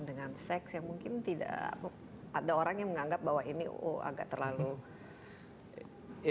dengan seks yang mungkin tidak ada orang yang menganggap bahwa ini agak terlalu